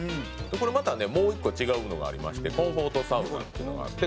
「これまたねもう１個違うのがありましてコンフォートサウナっていうのがあって」